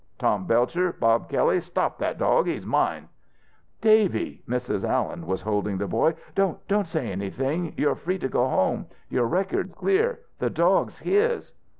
"Tom Belcher, Bob Kelley! Stop that dog! He's mine!" "Davy!" Mrs. Alien was holding the boy. "Don't don't say anything. You're free to go home. Your record's clear. The dog's his!"